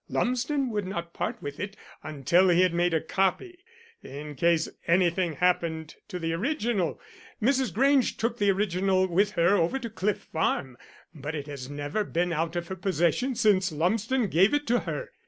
Lumsden would not part with it until he had made a copy, in case anything happened to the original. Mrs. Grange took the original with her over to Cliff Farm, but it has never been out of her possession since Lumsden gave it to her.